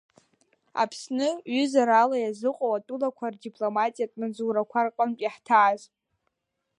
Аԥсны ҩызарала иазыҟоу атәылақәа рдипломатиатә маҵзурақәа рҟынтә иаҳҭааз.